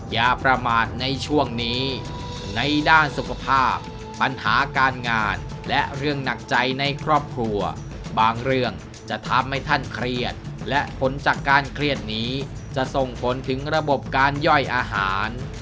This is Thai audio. อย่าประมาทในช่วงนี้ในด้านสุขภาพปัญหาการงานและเรื่องหนักใจในครอบครัวบางเรื่องจะทำให้ท่านเครียดและผลจากการเครียดนี้จะส่งผลถึงระบบการย่อยอาหาร